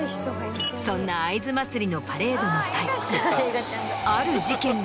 そんな会津まつりのパレードの際。